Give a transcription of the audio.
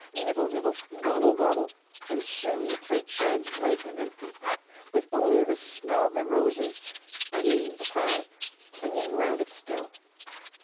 "Nibble! nibble! Gobble! gobble!" and soon the plate shines white and empty, with only the smell of the roses I mean the pie clinging round it still.